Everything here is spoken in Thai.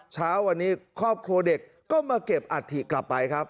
เช้าวันนี้ครอบครัวเด็กก็มาเก็บอัฐิกลับไปครับ